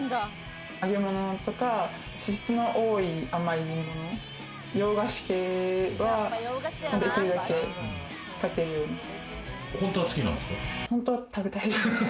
揚げ物とか、脂質の多い甘いもの、洋菓子系はできるだけ避けるようにしています。